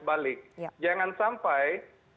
balik jangan sampai